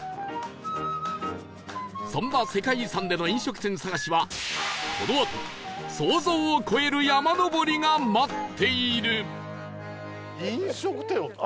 そんな世界遺産での飲食店探しはこのあと想像を超える山登りが待っている